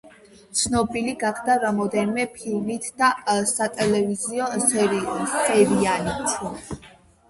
ცნობილი გახდა რამდენიმე ფილმით და სატელევიზიო სერიალით.